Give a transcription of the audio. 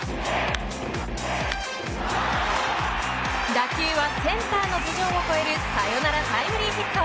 打球はセンターの頭上を越えるサヨナラタイムリーヒット。